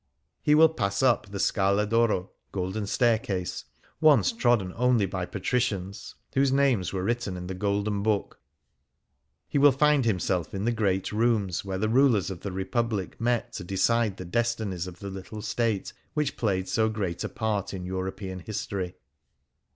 He will pass up the Scala d' Oro (Golden Staircase), once trodden only by Patricians, whose names were written in the Golden Book ; he will find himself in the great rooms where the rulers of the Republic met to decide the destinies of the little State which plaved so great a part in European history.